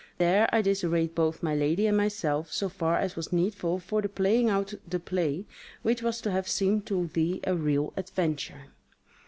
There I disarrayed both my lady and myself so far as was needful for the playing out the play which was to have seemed to thee a real adventure.